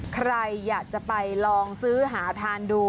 ใครอยากจะไปลองซื้อหาทานดู